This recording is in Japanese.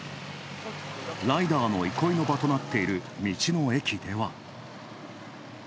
ライダーの憩いの場となっている道の駅では。